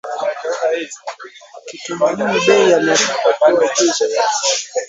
wakitumaini bei ya mafuta kuwa juu zaidi